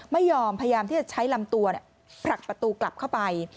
ไม่ยอมพยายามที่จะใช้ลำตัวผลักประตูกลับเข้าไป